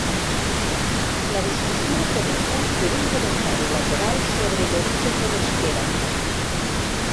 La discussió ha començat per un comentari lateral sobre l'origen de l'euskera.